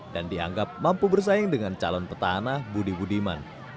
dan dianggap mampu bersaing dengan calon petanah budi budiman